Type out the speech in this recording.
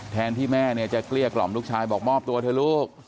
แทนที่แม่เนี่ยจะเกลี้ยกล่อมลูกชายบอกมอบตัวเถอะลูก